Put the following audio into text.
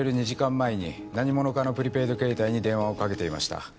２時間前に何者かのプリペイドケータイに電話をかけていました。